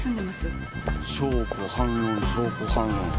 証拠反論証拠反論。